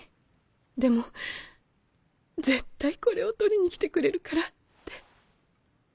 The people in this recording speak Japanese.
でも絶対これを取りに来てくれるからって。